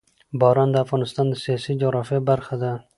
باران د افغانستان د سیاسي جغرافیه برخه ده.